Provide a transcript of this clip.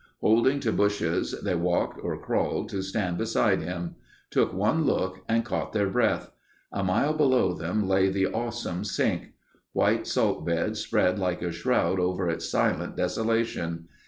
Holding to bushes they walked or crawled to stand beside him; took one look and caught their breath. A mile below them lay the awesome Sink. White salt beds spread like a shroud over its silent desolation.